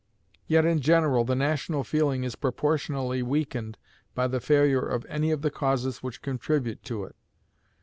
Yet in general the national feeling is proportionally weakened by the failure of any of the causes which contribute to it.